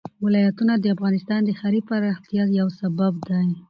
ولایتونه د افغانستان د ښاري پراختیا یو سبب دی.